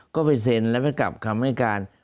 ก็ไปเซ็นแล้วไปกลับคำให้การ